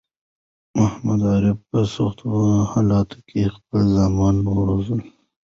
محمد عارف په سختو حالاتو کی خپل زامن وروزل